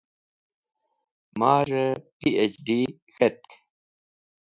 Maz̃hey PhD. K̃hetk